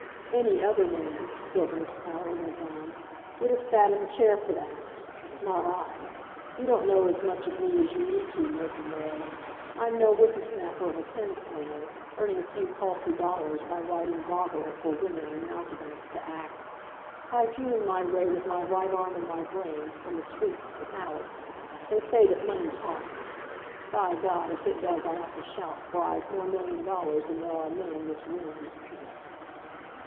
"Any other man," Sylvanus Power went on, "would have sat in the chair for that. Not I! You don't know as much of me as you need to, Merton Ware. I'm no whippersnapper of a pen slinger, earning a few paltry dollars by writing doggerel for women and mountebanks to act. I've hewn my way with my right arm and my brain, from the streets to the palace. They say that money talks. By God! if it does I ought to shout, for I've more million dollars than there are men in this room."